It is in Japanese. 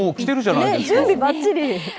準備ばっちり。